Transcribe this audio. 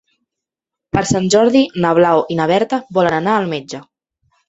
Per Sant Jordi na Blau i na Berta volen anar al metge.